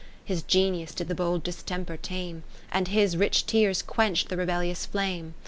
His Genius did the bold distemper tame, And his rich tears quench'd the rebellious flame.